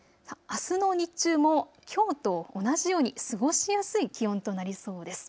あすの日中もきょうと同じように過ごしやすい気温となりそうです。